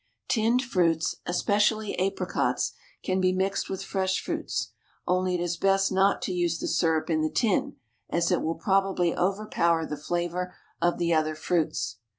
Tinned fruits, especially apricots, can be mixed with fresh fruits, only it is best not to use the syrup in the tin, as it will probably overpower the flavour of the other fruits.